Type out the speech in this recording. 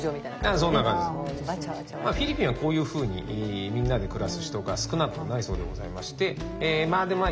フィリピンはこういうふうにみんなで暮らす人が少なくないそうでございましてまあいざこざはあります。